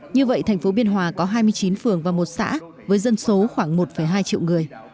như vậy thành phố biên hòa có hai mươi chín phường và một xã với dân số khoảng một hai triệu người